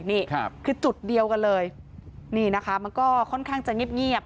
นี่ครับคือจุดเดียวกันเลยนี่นะคะมันก็ค่อนข้างจะเงียบ